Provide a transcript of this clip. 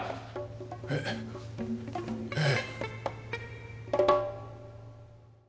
えっええ。